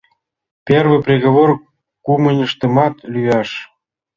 Первый приговор — кумыньыштымат лӱяш.